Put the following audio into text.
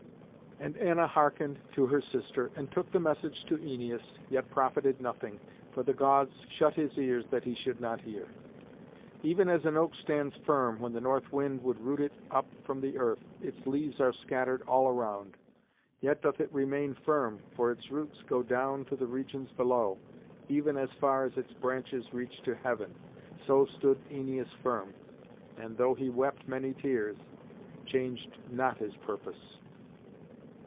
And Anna hearkened to her sister, and took the message to Æneas, yet profited nothing, for the Gods shut his ears that he should not hear. Even as an oak stands firm when the north wind would root it up from the earth its leaves are scattered all around, yet doth it remain firm, for its roots go down to the regions below, even as far as its branches reach to heaven so stood Æneas firm, and, though he wept many tears, changed not his purpose.